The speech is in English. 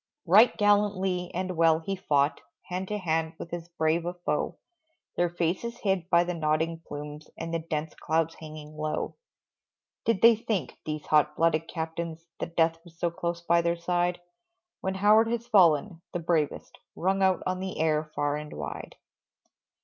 Right gallantly and well he fought Hand to hand with as brave a foe, Their faces hid by the nodding plumes, And the dense clouds hanging low. Did they think, these hot blooded captains, That Death was so close by their side, When Howard has fallen, the bravest Rung out on the air far and wide.